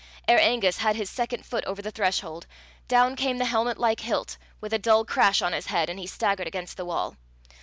Ere Angus had his second foot over the threshold, down came the helmet like hilt with a dull crash on his head, and he staggered against the wall.